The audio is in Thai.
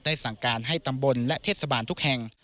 สั่งการให้ตำบลและเทศบาลทุกแห่ง